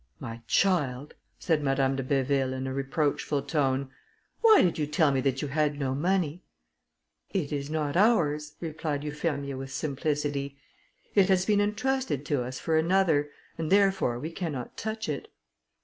"My child," said Madame de Béville, in a reproachful tone, "why did you tell me that you had no money?" "It is not ours," replied Euphemia with simplicity, "it has been intrusted to us for another, and therefore we cannot touch it."